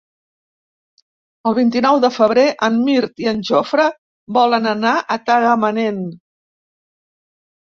El vint-i-nou de febrer en Mirt i en Jofre volen anar a Tagamanent.